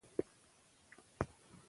د کور تشناب منظم پاکوالی غواړي.